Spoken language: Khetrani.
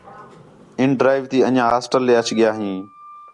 اِن ڈرائیو تی انڄیاں ہاسٹل ݙے اَچ ڳِیا ہیں